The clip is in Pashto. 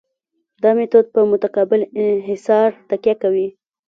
دا میتود په متقابل انحصار تکیه کوي